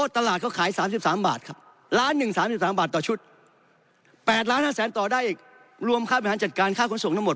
หลักล้านห้าแสนต่อได้รวมค่าบินทางจัดการค่าคุณส่งทั้งหมด